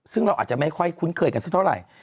ซึ่งเราอาจจะไม่ค่อยคุ้นเคยกันสักเท่าไหร่